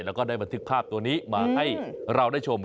แล้วก็ได้บันทึกภาพตัวนี้มาให้เราได้ชม